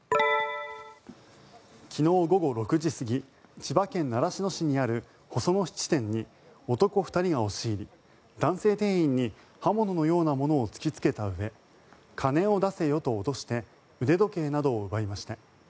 昨日午後６時過ぎ千葉県習志野市にある細野質店に男２人が押し入り男性店員に刃物のようなものを突きつけたうえ金を出せよと脅して腕時計などを奪いました。